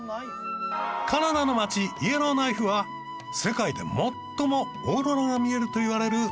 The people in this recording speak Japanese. カナダの街イエローナイフは世界で最もオーロラが見えるといわれる名所。